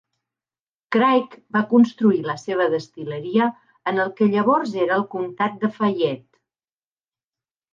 Craig va construir la seva destil·leria en el que llavors era el comtat de Fayette.